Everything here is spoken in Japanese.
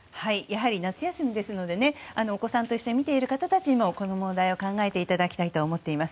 夏休みですのでお子さんと一緒に見ている方たちにもこの問題を考えていただきたいと思います。